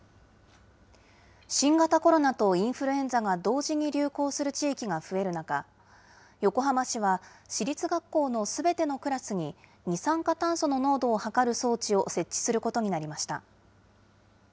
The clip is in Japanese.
新型コロナとインフルエンザが同時に流行する地域が増える中、横浜市は市立学校のすべてのクラスに二酸化炭素の濃度を測る装置を設置することになりました。